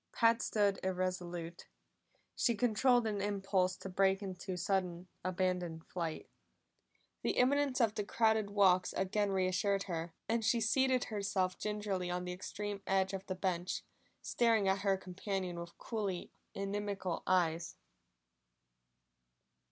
Pat stood irresolute; she controlled an impulse to break into sudden, abandoned flight. The imminence of the crowded walks again reassured her, and she seated herself gingerly on the extreme edge of the bench, staring at her companion with coolly inimical eyes.